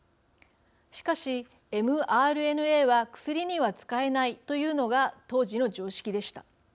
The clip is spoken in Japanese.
しかし、ｍＲＮＡは薬には使えないというのが当時の常識でした。